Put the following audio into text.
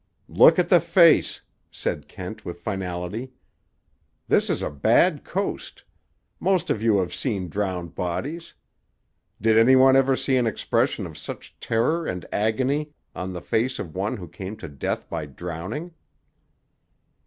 "Look at the face," said Kent with finality. "This is a bad coast. Most of you have seen drowned bodies. Did any one ever see an expression of such terror and agony on the face of one who came to death by drowning?"